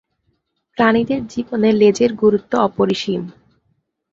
প্রাণীদের জীবনে লেজের গুরুত্ব অপরিসীম।